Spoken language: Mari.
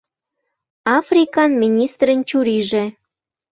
Африкан министрын чурийже.